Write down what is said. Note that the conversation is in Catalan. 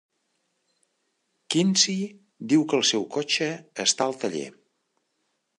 Quincy diu que el seu cotxe està al taller.